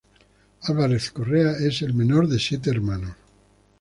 Álvarez-Correa es la menor de siete hermanos.